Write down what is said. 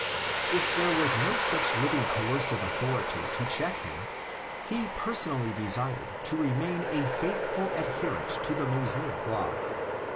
If there was no such living coercive authority to check him, he personally desired to remain a faithful adherent of the Mosaic law.